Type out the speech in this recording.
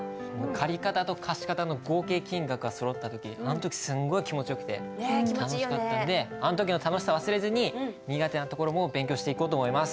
借方と貸方の合計金額がそろった時あの時すんごい気持ちよくて楽しかったんであの時の楽しさを忘れずに苦手なところも勉強していこうと思います。